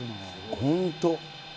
本当。